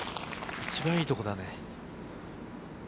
一番いいとこだね。